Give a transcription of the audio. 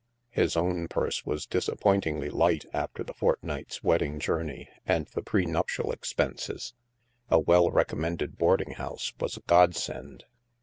His own purse was disappointingly light after the fortnight's wedding journey and the pre nuptial expenses. A well recommended boarding house was a godsend.